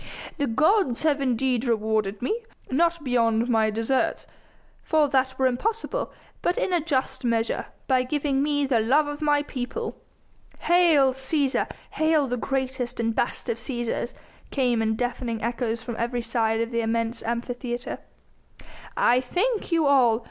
"The gods have indeed rewarded me not beyond my deserts, for that were impossible but in a just measure, by giving me the love of my people." "Hail Cæsar! Hail the greatest and best of Cæsars!" came in deafening echoes from every side of the immense Amphitheatre. "I thank you all!